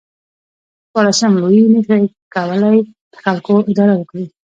شپاړسم لویي نشو کولای د خلکو اداره وکړي.